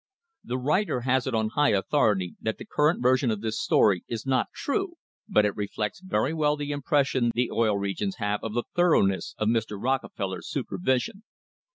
The writer has it on high authority that the current version of this story is not true, but it reflects very well the impression the Oil Re gions have of the thoroughness of Mr. Rockefeller's super vision.